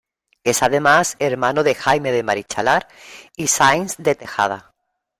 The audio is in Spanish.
Es además hermano de Jaime de Marichalar y Sáenz de Tejada.